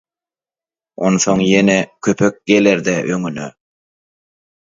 Оnsоň ýenе köpеk gеlеr-dä öňünе.